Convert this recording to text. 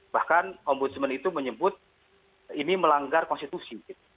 bahkan ombudsman itu menyebut ini melanggar konstitusi